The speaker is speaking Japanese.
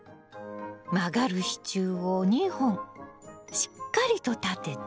曲がる支柱を２本しっかりと立てて。